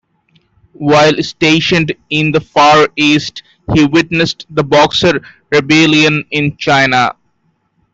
While stationed in the Far East, he witnessed the Boxer Rebellion in China.